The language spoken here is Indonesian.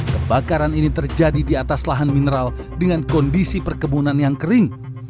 kebakaran ini terjadi di atas lahan mineral dengan kondisi perkebunan yang kering